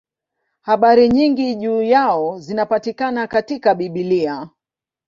Habari nyingi juu yao zinapatikana katika Biblia.